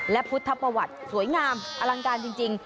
และพุทธภาวัฒน์อลังการจริง